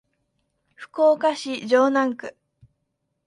福岡市城南区